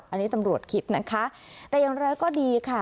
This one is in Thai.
อันนี้ตำรวจคิดนะคะแต่อย่างไรก็ดีค่ะ